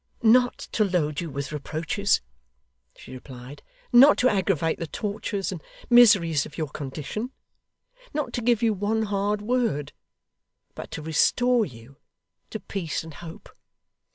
'Not to load you with reproaches,' she replied; 'not to aggravate the tortures and miseries of your condition, not to give you one hard word, but to restore you to peace and hope.